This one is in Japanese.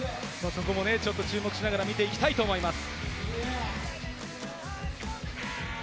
そこも注目しながら、見ていきたいと思います。